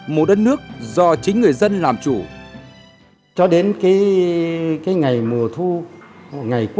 một đất nước do chính người dân làm chủ